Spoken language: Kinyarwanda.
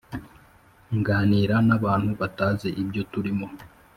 Nganira n’abantu Batazi ibyo turimo.